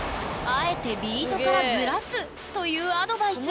あえてビートからずらすというアドバイス。